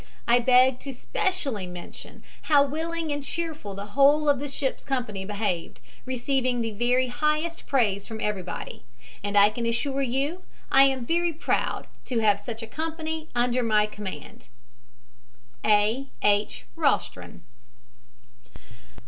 I beg to specially mention how willing and cheerful the whole of the ship's company behaved, receiving the highest praise from everybody. And I can assure you I am very proud to have such a company under my command. "A. H. ROSTRON."